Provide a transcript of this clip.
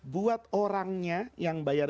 buat orangnya yang bayar